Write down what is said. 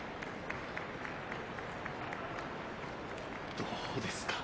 どうですか？